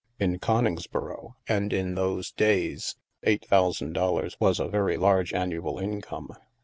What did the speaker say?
In Coningsboro, and in those days, eight thousand dollars was a very large annual in come.